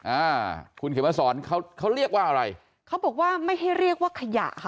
อ่าคุณเขียนมาสอนเขาเขาเรียกว่าอะไรเขาบอกว่าไม่ให้เรียกว่าขยะค่ะ